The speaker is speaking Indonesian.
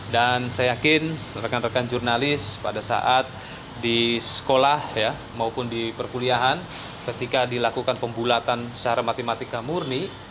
dan saya yakin rekan rekan jurnalis pada saat di sekolah maupun di perkuliahan ketika dilakukan pembulatan secara matematika murni